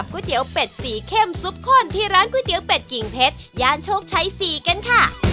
สวัสดีครับ